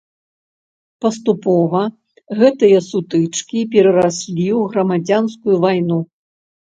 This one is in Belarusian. Паступова гэтыя сутычкі перараслі ў грамадзянскую вайну.